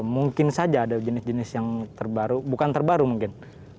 mungkin saja ada jenis jenis yang terbaru bukan terbaru mungkin